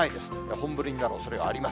本降りになるおそれがあります。